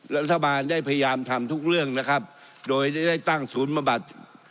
รัฐบาลได้พยายามทำทุกเรื่องนะครับโดยได้ตั้งศูนย์บำบัด